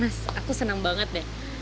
mas aku senang banget deh